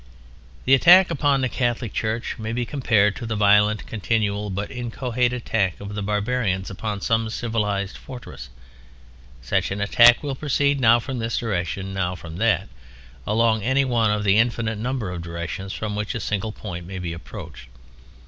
The attack upon the Catholic Church may be compared to the violent, continual, but inchoate attack of barbarians upon some civilized fortress; such an attack will proceed now from this direction, now from that, along any one of the infinite number of directions from which a single point may be approached.